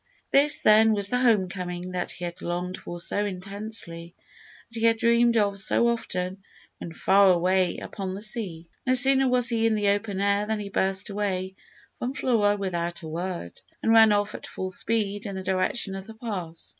This, then, was the home coming that he had longed for so intensely; that he had dreamed of so often when far away upon the sea! No sooner was he in the open air than he burst away from Flora without a word, and ran off at full speed in the direction of the pass.